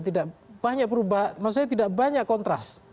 tidak banyak perubahan maksud saya tidak banyak kontras